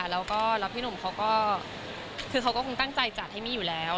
แล้วพี่หนุ่มเขาก็คงตั้งใจจัดให้มีอยู่แล้ว